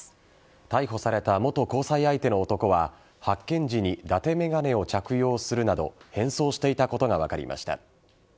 逮捕された元交際相手の男は発見時にだて眼鏡を着用するなど変装していたことが分かりました。